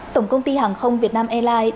tổng công ty hàng không việt nam airline